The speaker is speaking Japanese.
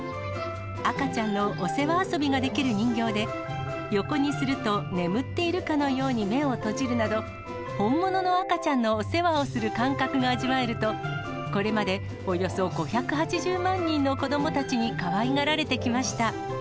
赤ちゃんお世話遊びができる人形で、横にすると眠っているかのように目を閉じるなど、本物の赤ちゃんのお世話をする感覚が味わえると、これまで、およそ５８０万人の子どもたちにかわいがられてきました。